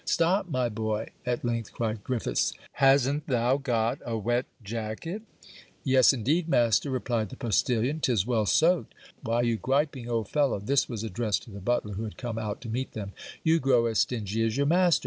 'Stop my boy,' at length, cried Griffiths; 'hasn't thou got a wet jacket?' 'Yes, indeed, master,' replied the postilion, ''tis well soaked.' 'Why you griping old fellow,' this was addressed to the butler, who had come out to meet them, 'you grow as stingy as your master!